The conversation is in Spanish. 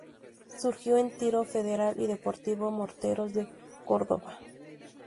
Surgió en Tiro Federal y Deportivo Morteros de Córdoba.